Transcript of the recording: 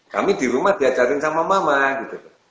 kami di rumah diajarin sama mama gitu